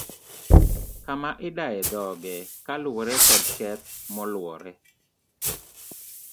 Kama idaye dhoge kaluwore kod keth maluore.